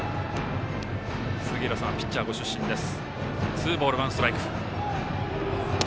杉浦さんはピッチャーご出身です。